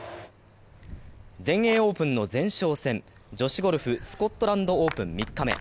全英オープンの前哨戦、女子ゴルフスコットランドオープン３日目。